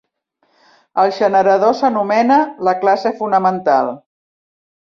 El generador s'anomena "la classe fonamental".